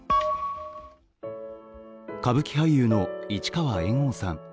歌舞伎俳優の市川猿翁さん。